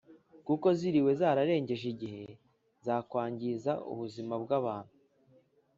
kuko ziriwe zararengeje igihe zakwangiza ubuzima bw’abantu.